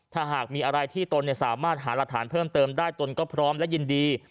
ถ้าหากมีอะไรที่ตนสามารถหารักฐานเพิ่มเติมได้ตนก็พร้อมและยินดี